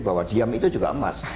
bahwa diam itu juga emas